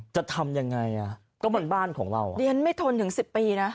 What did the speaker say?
จะทำยังไงอ่ะก็มันบ้านของเราอ่ะดิฉันไม่ทนถึงสิบปีนะ